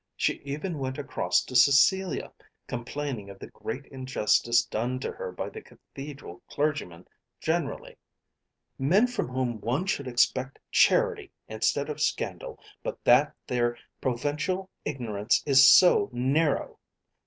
She even went across to Cecilia, complaining of the great injustice done to her by the Cathedral clergymen generally. "Men from whom one should expect charity instead of scandal, but that their provincial ignorance is so narrow!"